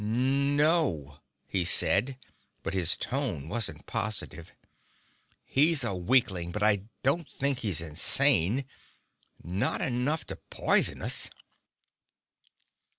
"No!" he said, but his tone wasn't positive. "He's a weakling, but I don't think he's insane not enough to poison us."